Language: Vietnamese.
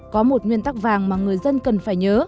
có một nguyên tắc vàng mà người dân cần phải nhớ